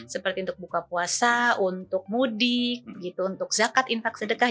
seperti untuk buka puasa untuk mudik gitu untuk zakat infak sedekah